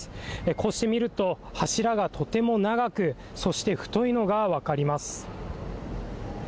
こうして見ると柱がとても長くそして太いのが分かります。